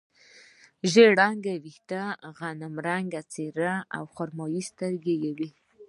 ژړ رنګه وریښتان، غنم رنګه څېره او خړې سترګې یې وې.